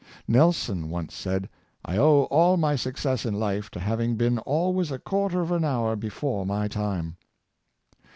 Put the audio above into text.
Nelson once said, " I owe all my success in life to having been always a quarter Pu7ictuality, 369 of an hour before my time."